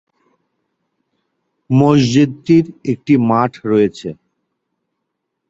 মসজিদটির একটি মাঠ রয়েছে।